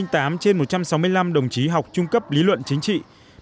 một trăm linh tám trên một trăm sáu mươi năm đồng chí học trung cấp lý luận chính trị